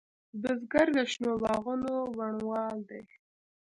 بزګر د شنو باغونو بڼوال دی